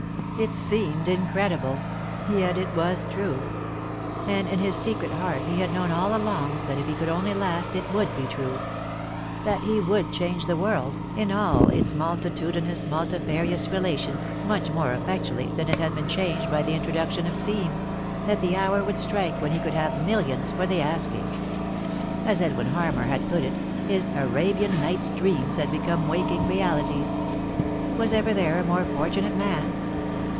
It seemed incredible; yet it was true. And in his secret heart he had known all along that if he could only last it would be true. That he would change the world, in 276 3i 9 iii^d by Google THE INTERRUPTED KISS all its multitudinous, multilarioiis relations, much more effectually than it had been changed by the introduc tion of steam ; that the hour would strike when he could have millions for the asking. As Edwin Harmar had put it, his " Arabian Nights' " dreams had become waking realities. Was ever there a more fortunate man